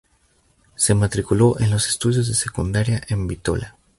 Se matriculó en los estudios de secundaria en Bitola.